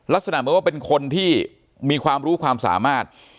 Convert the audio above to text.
ลักษณะเหมือนว่าเป็นคนที่มีความรู้ความสามารถ